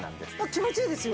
気持ちいいですよ。